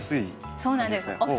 そうなんです。